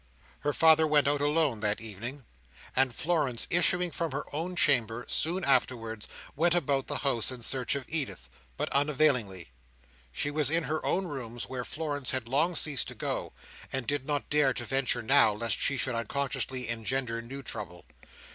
Her father went out alone, that evening, and Florence issuing from her own chamber soon afterwards, went about the house in search of Edith, but unavailingly. She was in her own rooms, where Florence had long ceased to go, and did not dare to venture now, lest she should unconsciously engender new trouble.